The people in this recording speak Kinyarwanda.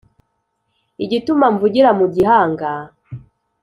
igituma mvugira mu gihanga